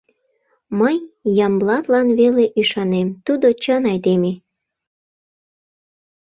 Мый Ямблатлан веле ӱшанем: тудо чын айдеме.